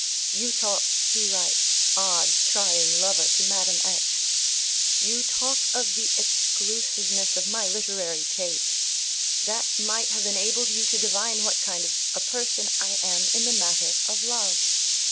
"You talk," he writes, odd, trying lover, to Madame X. "You talk of the exclusiveness of my literary tastes. That might have enabled you to divine what kind of a person I am in the matter of love.